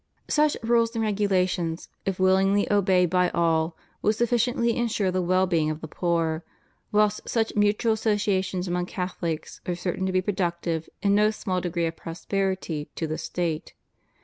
Such rules and regulations, if willingly obeyed by all, will sufficiently ensure the well being of the poor; whilst such mutual associations among Catholics are certain to be productive in no small degree of prosperity to the State.